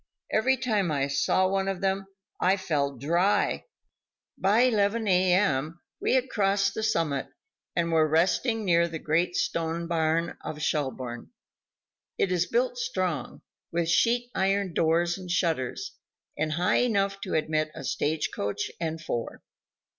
Every time I saw one of them I felt dry. By 11 a. m. we had crossed the summit and were resting near the great stone barn of Schelbourne. It is built strong, with sheet iron doors and shutters, and high enough to admit a stage coach and four.